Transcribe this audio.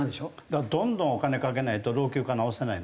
だからどんどんお金かけないと老朽化直せないので。